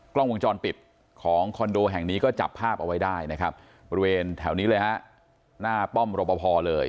กล้องวงจรปิดของคอนโดแห่งนี้ก็จับภาพเอาไว้ได้นะครับบริเวณแถวนี้เลยฮะหน้าป้อมรบพอเลย